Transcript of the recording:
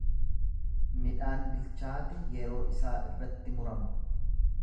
Midhaan bilchaate yeroo isaa irratti murama.